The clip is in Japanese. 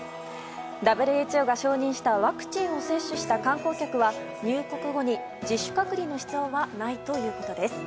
ＷＨＯが承認したワクチンを接種した観光客は入国後に自主隔離の必要はないということです。